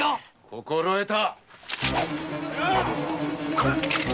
心得た。